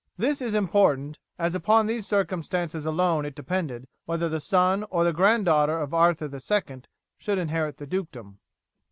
This is important, as upon these circumstances alone it depended whether the son or the granddaughter of Arthur II should inherit the dukedom.